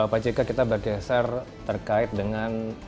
pak jk kita bergeser terkait dengan